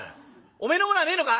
おめえのものはねえのか？」。